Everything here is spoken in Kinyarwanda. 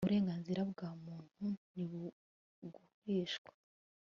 uburenganzira bwa muntu ntibugurishwa